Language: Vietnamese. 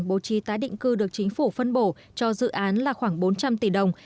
bố trí tái định cư được chính phủ phân bổ cho dự án là khoảng bốn trăm linh tỷ đồng